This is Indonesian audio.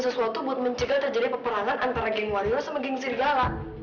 sesuatu buat mencegah terjadi peperangan antara geng wario sama geng sirigala